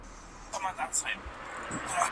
موږ به تر پایه پورې د علم په لټه کي یو.